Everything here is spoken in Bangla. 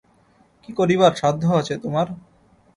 কী করিবার সাধ্য আছে তোমার।